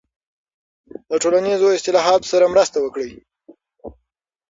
له ټولنیزو اصلاحاتو سره مرسته وکړئ.